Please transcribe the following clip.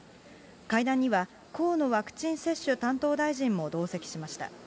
会談には、河野ワクチン接種担当大臣も同席しました。